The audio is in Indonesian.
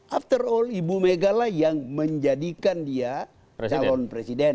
after all ibu mega lah yang menjadikan dia calon presiden